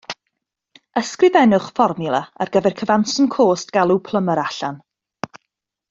Ysgrifennwch fformiwla ar gyfer cyfanswm cost galw plymar allan